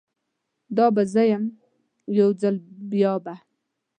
دا به زه یم، یوځل بیابه